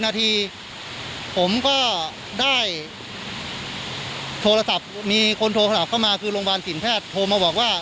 นาทีผมก็ได้โทรศัพท์มีคนโทรศัพท์เข้ามาคือโรงพยาบาลสินแพทย์โทรมาบอกว่า